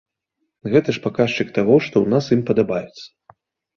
Гэта ж паказчык таго, што ў нас ім падабаецца.